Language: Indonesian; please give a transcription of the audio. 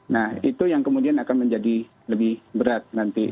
nah itu yang kemudian akan menjadi lebih berat nanti